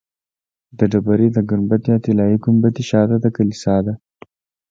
د ډبرې د ګنبد یا طلایي ګنبدې شاته د کلیسا ده.